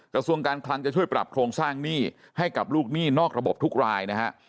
กระทรวงการคลังจะช่วยปรับโครงสร้างหนี้ให้กับลูกหนี้นอกระบบทุกรายนะฮะ